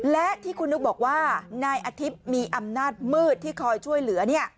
และที่คุณนุ๊กบอกว่านายอาทิตย์มีอำนาจมืดที่คอยช่วยเหลือ